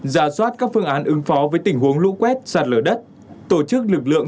ra soát các phương án ứng phó với tình huống lũ quét sạt lở đất tổ chức lực lượng